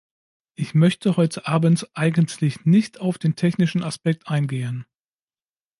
Ich möchte heute abend eigentlich nicht auf den technischen Aspekt eingehen.